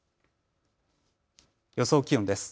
予想気温です。